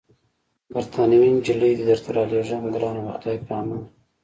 بریتانوۍ نجلۍ دي درته رالېږم، ګرانه د خدای په امان.